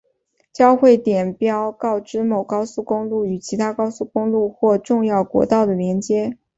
交汇点路标告知某高速公路与其他高速公路或重要国道的连接。